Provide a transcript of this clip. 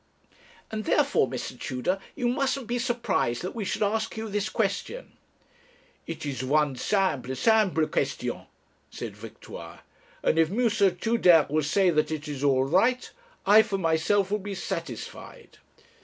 'And therefore, Mr. Tudor, you mustn't be surprised that we should ask you this question.' 'It is one simple, simple question,' said Victoire, 'and if M. Tudere will say that it is all right, I, for myself, will be satisfied.'